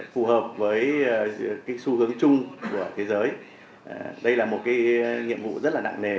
phù hợp với xu hướng chung của thế giới đây là một nhiệm vụ rất là nặng nề